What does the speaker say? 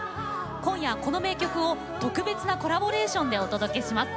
今夜、この名曲を特別なコラボレーションでお届けします。